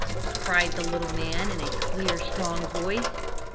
cried the little man in a clear, strong voice.